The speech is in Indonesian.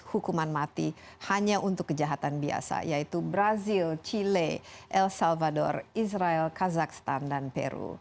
hukuman mati hanya untuk kejahatan biasa yaitu brazil chile el salvador israel kazakhstan dan peru